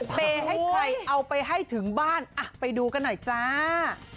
เปย์ให้ใครเอาไปให้ถึงบ้านไปดูกันหน่อยจ้า